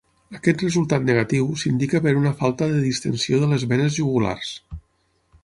Aquest resultat negatiu s'indica per una falta de distensió de les venes jugulars.